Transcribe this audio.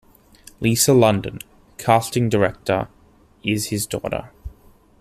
Lisa London, casting director is his daughter.